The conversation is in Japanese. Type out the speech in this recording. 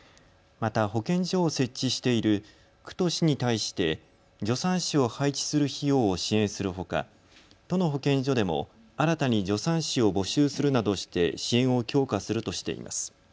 また保健所を設置している区と市に対して助産師を配置する費用を支援するほか都の保健所でも新たに助産師を募集するなどして支援を強化するとしています。